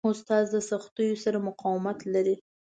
استاد د سختیو سره مقاومت لري.